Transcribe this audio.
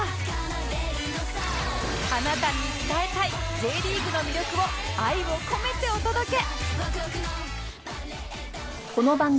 あなたに伝えたい Ｊ リーグの魅力を愛を込めてお届け！